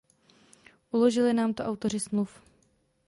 Uložili nám to autoři Smluv.